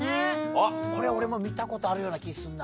あっこれ俺も見たことあるような気すんな。